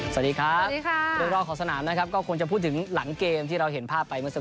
สวัสดีครับร้อยหลอกขอสนามนะครับก็ควรจะพูดถึงหลังเกมที่เราเห็นภาพไปเมื่อกี๊